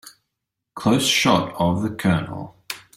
Close shot of the COLONEL.